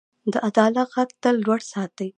د عدالت غږ تل لوړ ساتئ.